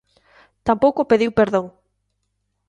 Tampouco pediu perdón.